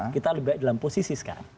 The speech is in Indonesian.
kita lebih baik dalam posisi sekarang